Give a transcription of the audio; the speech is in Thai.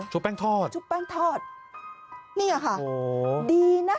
อ๋อเหรอชุบแป้งทอดนี่ค่ะดีนะ